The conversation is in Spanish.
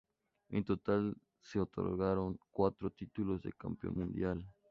En total se otorgaron cuatro títulos de campeón mundial.